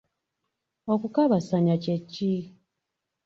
Okukabasanya kye ki?